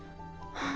ああ。